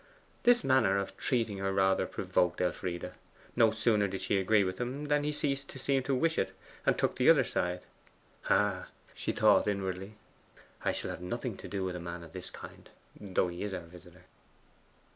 This manner of treating her rather provoked Elfride. No sooner did she agree with him than he ceased to seem to wish it, and took the other side. 'Ah,' she thought inwardly, 'I shall have nothing to do with a man of this kind, though he is our visitor.